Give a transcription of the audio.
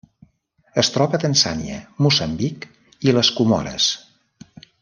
Es troba a Tanzània, Moçambic i les Comores.